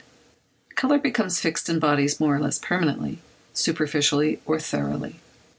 Colour becomes fixed in bodies more or less permanently; superficially, or thoroughly.